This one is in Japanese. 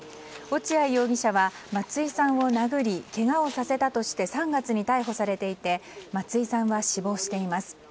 落合容疑者は松井さんを殴りけがをさせたとして３月に逮捕されていて松井さんは死亡しています。